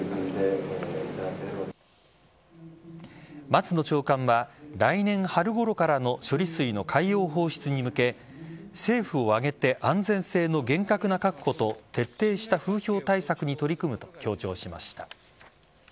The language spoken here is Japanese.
松野長官は来年春ごろからの処理水の海洋放出に向け政府を挙げて安全性の厳格な確保と徹底した風評対策に取り組むと強調しました。